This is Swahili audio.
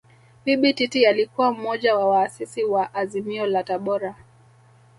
Bibi Titi alikuwa mmoja wa waasisi wa Azimio la Tabora